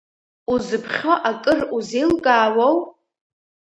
Узыԥхьо акыр узеилкаауоу?